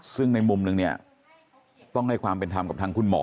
ซึ่งในมุมนึงเนี่ยต้องให้ความเป็นธรรมกับทางคุณหมอ